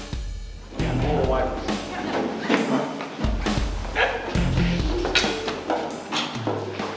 kita mau ke kantin